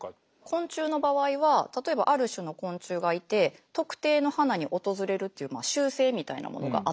昆虫の場合は例えばある種の昆虫がいて特定の花に訪れるっていう習性みたいなものがあったりします。